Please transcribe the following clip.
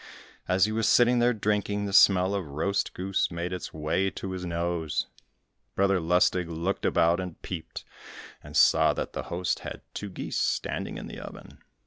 As he was sitting there drinking, the smell of roast goose made its way to his nose. Brother Lustig looked about and peeped, and saw that the host had two geese standing in the oven.